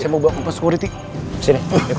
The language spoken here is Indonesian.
membahayakan keluarga saya ya